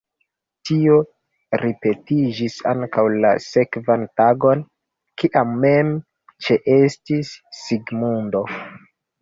Tio ripetiĝis ankaŭ la sekvan tagon, kiam mem ĉeestis Sigmundo.